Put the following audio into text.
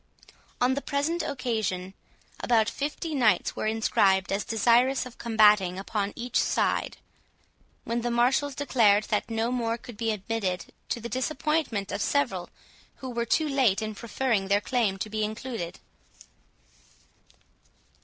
On the present occasion, about fifty knights were inscribed as desirous of combating upon each side, when the marshals declared that no more could be admitted, to the disappointment of several who were too late in preferring their claim to be included.